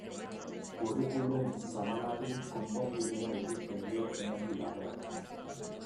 Curriculum zabalari konponbidea ikusten dio Iñaki Larreak.